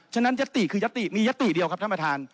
ฉะนั้นยัตติคือยัตติมียติเดียวครับท่านประธาน